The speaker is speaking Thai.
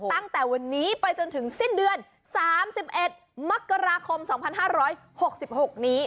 ตั้งแต่วันนี้ไปจนถึงสิ้นเดือน๓๑มกราคม๒๕๖๖นี้